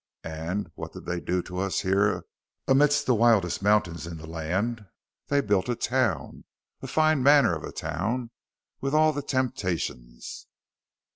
And what did they do to us here amidst the wildest mountains in the land? They built a town! A fine manner of town with all the temptations...."